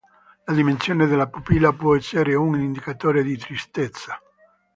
La dimensione della pupilla può essere un indicatore di tristezza.